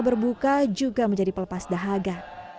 berbuka juga menjadi pelepas dahaga